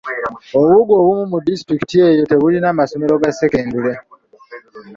Obubuga obumu mu disitulikiti eyo tebulina masomero ga sekendule.